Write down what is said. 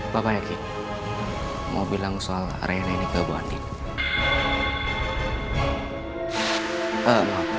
bapak yakin mau bilang soal arena ini kebohongan